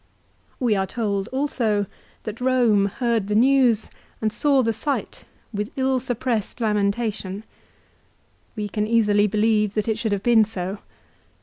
We are told also that Rome heard the news and saw the 296 LIFE OF CICERO. sight with ill suppressed lamentation. We can easily believe that it should have been so.